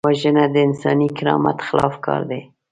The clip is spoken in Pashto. وژنه د انساني کرامت خلاف کار دی